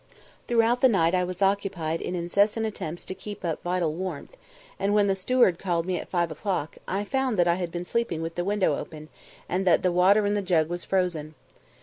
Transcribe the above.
Throughout the night I was occupied in incessant attempts to keep up vital warmth, and when the steward called me at five o'clock, I found that I had been sleeping with the window open, and that the water in the jug was frozen.